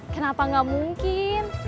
kenapa gak mungkin